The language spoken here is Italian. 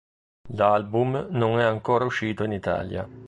L'album non è ancora uscito in Italia.